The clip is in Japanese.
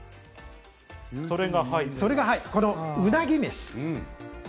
それがこのうなぎめし。